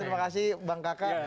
terima kasih bang kaka